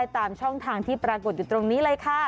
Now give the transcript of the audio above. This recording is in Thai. ทางที่ปรากฏอยู่ตรงนี้เลยค่ะ